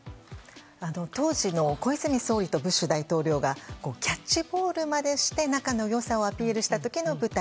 当時の小泉総理とブッシュ大統領がキャッチボールまでして仲の良さをアピールした時の舞台。